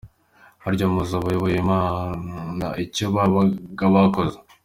Harya muzi abahowe imana icyo babaga bakoze?